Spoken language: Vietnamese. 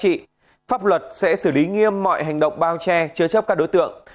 vì vậy pháp luật sẽ xử lý nghiêm mọi hành động bao che chứa chấp các đối tượng